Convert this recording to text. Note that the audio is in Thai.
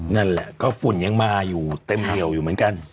นั่นแหละก็ฝุ่นยังมาอยู่เต็มเหนียวอยู่เหมือนกัน